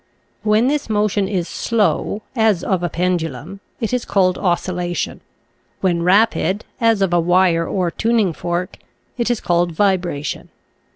When this motion is slow — as of a pendulum — it is called oscillation; when rapid — as of a wire or tuning fork — it is called vibration.